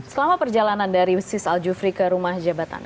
selama perjalanan dari sis aljufri ke rumah jabatan